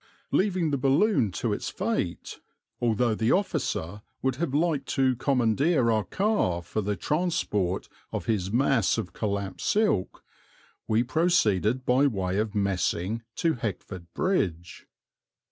Leaving the balloon to its fate although the officer would have liked to commandeer our car for the transport of his mass of collapsed silk we proceeded by way of Messing to Heckford Bridge.